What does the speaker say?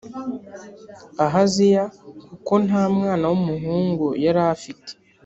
ahaziya kuko nta mwana w umuhungu yari afite